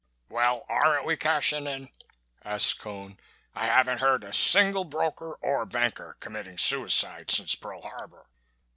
"Well, aren't we cashing in?" asked Cone, "I haven't heard a single broker or banker committing suicide since Pearl Harbor."